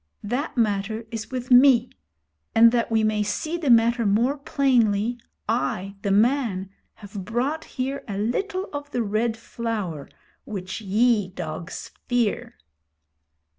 That matter is with me; and that we may see the matter more plainly, I, the man, have brought here a little of the Red Flower which ye, dogs, fear.'